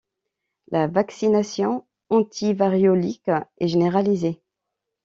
La vaccination antivariolique est généralisée.